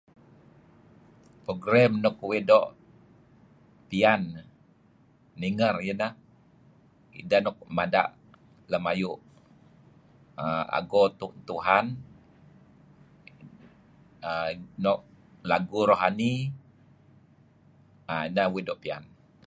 Program nuk uih doo' piyan ninger ineh, ideh nuk mada' lem ayu' err ago Tuhan no' err lagu rohani , ah neh uih doo' piyan.